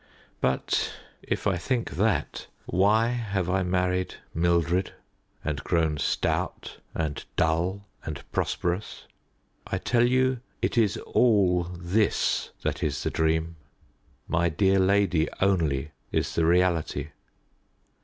But if I think that, why have I married Mildred, and grown stout and dull and prosperous? I tell you it is all this that is the dream; my dear lady only is the reality.